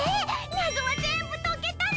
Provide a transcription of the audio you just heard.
なぞはぜんぶとけたの！